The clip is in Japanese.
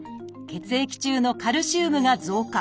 血液中のカルシウムが増加。